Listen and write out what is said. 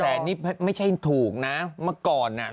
แล้วแสนนี่ไม่ใช่ถูกนะมันก่อนนะคะ